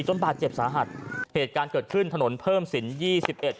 บาดเจ็บสาหัสเหตุการณ์เกิดขึ้นถนนเพิ่มสินยี่สิบเอ็ด